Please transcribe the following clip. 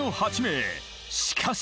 ［しかし］